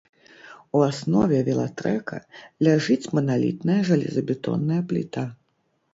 У аснове велатрэка ляжыць маналітная жалезабетонная пліта.